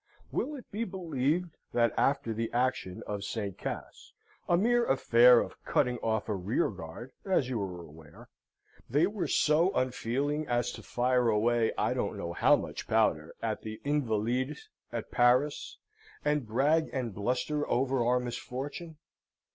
Will it be believed, that after the action of St. Cas a mere affair of cutting off a rearguard, as you are aware they were so unfeeling as to fire away I don't know how much powder at the Invalides at Paris, and brag and bluster over our misfortune?